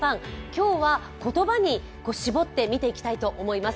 今日は言葉に絞って見ていきたいと思います。